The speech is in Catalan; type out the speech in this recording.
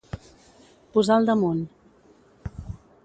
Posar al damunt.